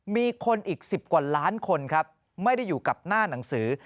มีคนอีก๑๐กว่าล้านคนครับไม่ได้อยู่กับหน้าหนังสือ